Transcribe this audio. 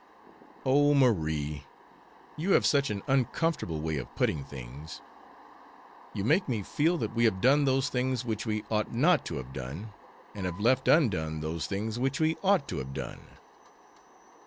"Oh, Marie, you have such an uncomfortable way of putting things. You make me feel that we have done those things which we ought not to have done, and have left undone those things which we ought to have done."